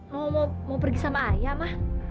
mau mau mau pergi sama ayah mah